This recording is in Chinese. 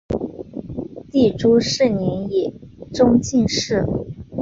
弟朱士廉也中进士。